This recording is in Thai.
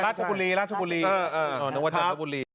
ราชบุรีราชบุรีเออเออเออนังวัฒนธบุรี